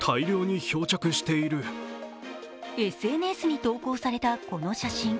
ＳＮＳに投稿されたこの写真。